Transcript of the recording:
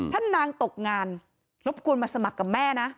ถ้านางตกงานรบกวนมาสมัครกับแม่นะ